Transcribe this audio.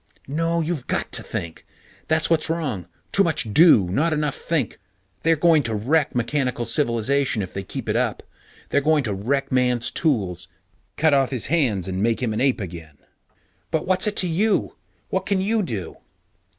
_ No, you've got to think. That's what's wrong. Too much do, not enough think. They're going to wreck mechanical civilization if they keep it up. They're going to wreck Man's tools, cut off his hands, and make him an ape again! But what's it to you? What can you do?